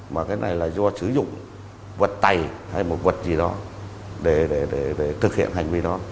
mà cái này là do sử dụng vật tày hay một vật gì đó để thực hiện hành vi đó